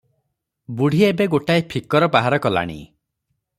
ବୁଢୀ ଏବେ ଗୋଟାଏ ଫିକର ବାହାର କଲାଣି ।